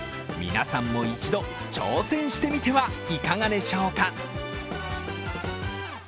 皆さんも一度、挑戦してみてはいかがでしょうか？